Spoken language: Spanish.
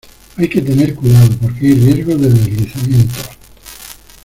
Hay que tener cuidado porque hay riesgo de deslizamientos.